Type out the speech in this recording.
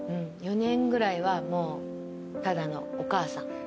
４年ぐらいはもうただのお母さん。